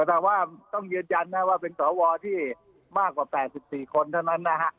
แต่ว่าต้องยืนยันนะว่าเป็นสวที่มากกว่า๘๔คนเท่านั้นนะฮะ